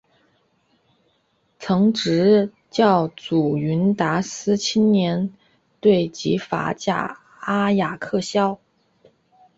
曾执教祖云达斯青年队及法甲阿雅克肖。